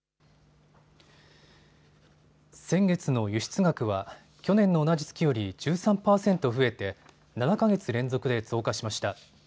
先月の輸出額は去年の同じ月より１３％増えて７か月連続で増加しました。